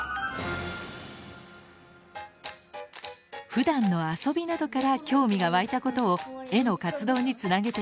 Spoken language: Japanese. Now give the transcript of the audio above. ふだんの遊びなどから興味が湧いたことを絵の活動につなげていきます。